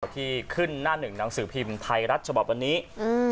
ที่ขึ้นหน้าหนึ่งหนังสือพิมพ์ไทยรัฐฉบับวันนี้อืม